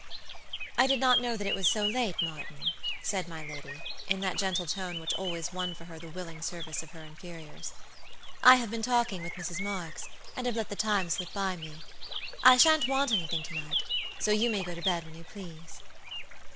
"I did not know that it was so late, Martin," said my lady, in that gentle tone which always won for her the willing service of her inferiors. "I have been talking with Mrs. Marks and have let the time slip by me. I sha'n't want anything to night, so you may go to bed when you please."